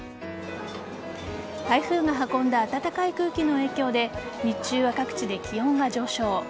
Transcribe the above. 台風が運んだ暖かい空気の影響で日中は各地で気温が上昇。